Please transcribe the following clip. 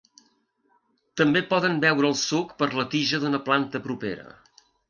També poden veure el suc per la tija d'una planta propera.